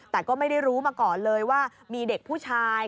แต่ก็ไม่ได้รู้มาก่อนเลยว่ามีเด็กผู้ชาย